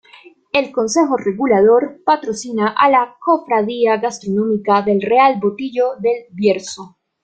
El Consejo Regulador patrocina a la Cofradía Gastronómica del Real Botillo del Bierzo.